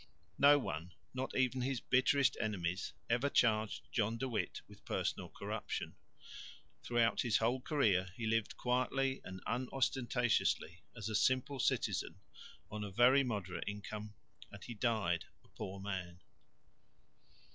No one, not even his bitterest enemies, ever charged John de Witt with personal corruption. Throughout his whole career he lived quietly and unostentatiously, as a simple citizen, on a very moderate income, and he died a poor man.